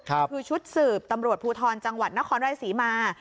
คือชุดสืบตำรวจภูทรจังหวัดนครราชศรีมา